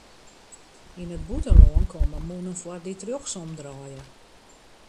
Yn it bûtenlân komme mûnen foar dy't rjochtsom draaie.